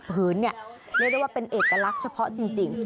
พื้นเนี่ยเรียกได้ว่าเป็นเอกลักษณ์เฉพาะจริง